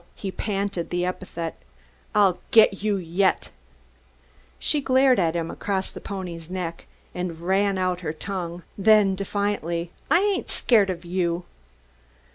He panted the epithet. "I'll get you yet!" She glared at him across a pony's neck and ran out her tongue. Then, defiantly: "I ain't scart of you!"